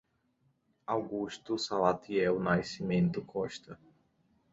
Augusto Salatiel Nascimento Costa